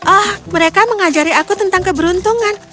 oh mereka mengajari aku tentang keberuntungan